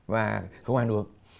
và không ăn uống